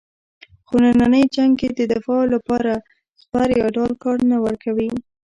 خو نننی جنګ کې د دفاع لپاره سپر یا ډال کار نه ورکوي.